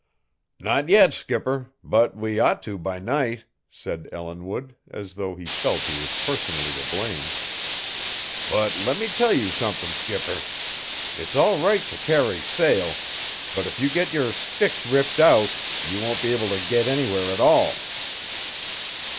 "Not yet, skipper; but we ought to by night," said Ellinwood as though he felt he was personally to blame. "But let me tell you somethin', skipper. It's all right to carry sail, but if you get your sticks ripped out you won't be able to get anywhere at all."